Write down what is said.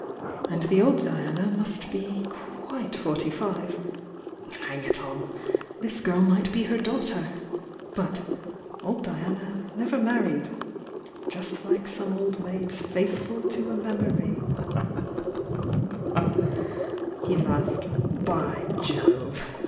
And the old Diana must be quite forty five! Hang it all! — this girl might be her daughter — but old Diana never married — just like some old maids 'faithful to a memory !'" He laughed. "By Jove!